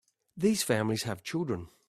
These families have children.